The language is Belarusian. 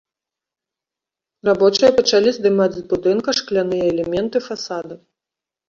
Рабочыя пачалі здымаць з будынка шкляныя элементы фасада.